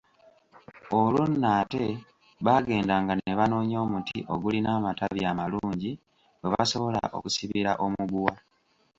Olwo nno ate baagendanga ne banoonya omuti ogulina amatabi amalungi we basobola okusibira omuguwa.